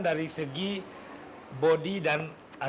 dari segi bodi dan